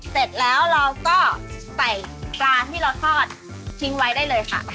เสร็จแล้วเราก็ใส่ปลาที่เราทอดทิ้งไว้ได้เลยค่ะ